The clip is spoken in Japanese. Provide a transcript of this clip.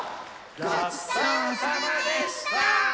ごちそうさまでした！